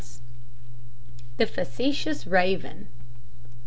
THE FACETIOUS RAVEN.